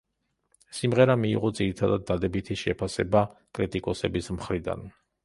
სიმღერა მიიღო ძირითადად დადებითი შეფასება კრიტიკოსების მხრიდან.